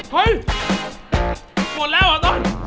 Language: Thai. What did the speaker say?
เฮ้ยโกรธแล้วอ่ะต้น